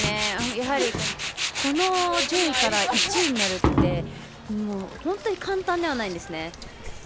やはり、この順位から１位になるって本当に簡単ではないんです。